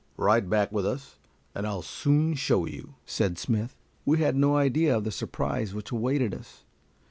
"Ride back with us and I'll soon show you," said Smith. We had no idea of the surprise which awaited us.